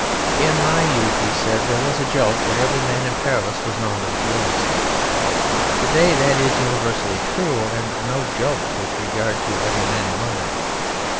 "In my youth," he said, "there was a joke that every man in Paris was known to the police. Today that is universally true, and no joke with regard to every man in London.